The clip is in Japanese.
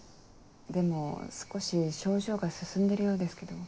でも少し症状が進んでるようですけど。